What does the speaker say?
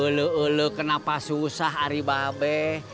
ulu ulu kenapa susah ari babe